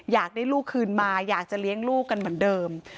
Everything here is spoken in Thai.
อยากได้ลูกคืนมาอยากจะเลี้ยงลูกกันเหมือนเดิม